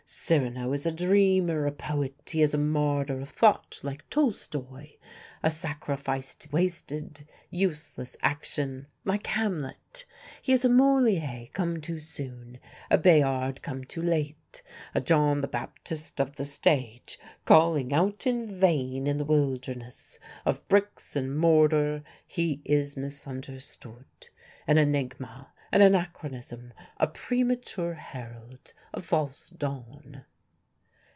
Cyrano is a dreamer, a poet; he is a martyr of thought like Tolstoi, a sacrifice to wasted, useless action, like Hamlet; he is a Moliere come too soon, a Bayard come too late, a John the Baptist of the stage, calling out in vain in the wilderness of bricks and mortar; he is misunderstood; an enigma, an anachronism, a premature herald, a false dawn."